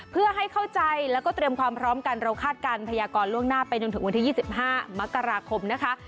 เพื่อให้เข้าใจแล้วก็เตรียมความพร้อมกันเราคาดการณ์พยากรล่วงหน้าไปจนถึงวันที่๒๕มกราคมนะคะ